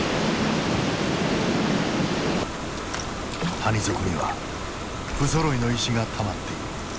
谷底にはふぞろいの石がたまっている。